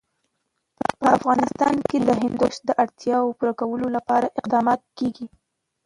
په افغانستان کې د هندوکش د اړتیاوو پوره کولو لپاره اقدامات کېږي.